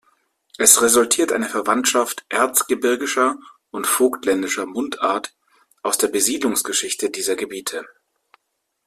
Es resultiert eine Verwandtschaft erzgebirgischer und vogtländischer Mundart aus der Besiedlungsgeschichte dieser Gebiete.